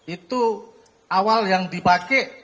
itu awal yang dipakai